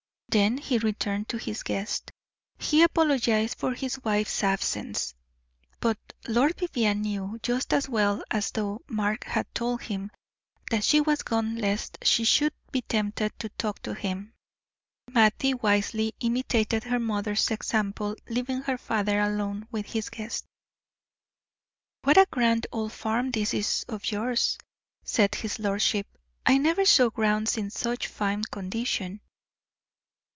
Then he returned to his guest. He apologized for his wife's absence, but Lord Vivianne knew just as well as though Mark had told him, that she was gone lest she should be tempted to talk to him. Mattie wisely imitated her mother's example, leaving her father alone with his guest. "What a grand old farm this is of yours," said his lordship. "I never saw grounds in such fine condition."